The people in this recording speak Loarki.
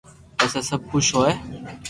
پسي سب خوݾ ھوئي